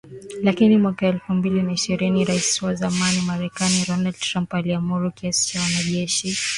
Lakini mwaka elfu mbili na ishirini Rais wa zamani Marekani Donald Trump aliamuru kiasi cha wanajeshi mia saba hamsini wa Marekani nchini Somalia.